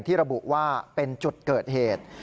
ระบุว่าเป็นจุดเกิดเหตุ